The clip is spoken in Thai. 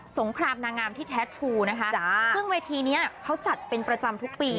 งครามนางงามที่แท้ทรูนะคะซึ่งเวทีนี้เขาจัดเป็นประจำทุกปี